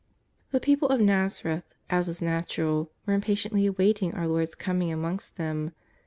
The people of i^azareth, as was natural, were im patiently awaiting our Lord's coming amongst them.